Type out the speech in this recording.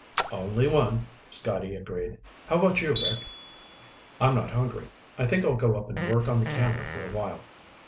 "Only one," Scotty agreed. "How about you, Rick?" "I'm not hungry. I think I'll go up and work on the camera for a while."